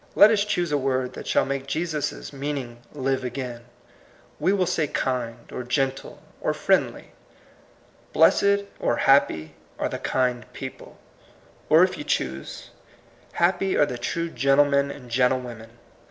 Let us choose a word that shall make Jesus' meaning live again; we will say kind, or gentle, or friendly. Blessed, or happy, are the kind people ; or, if you choose, Happy are the true gentlemen and gentlewomen.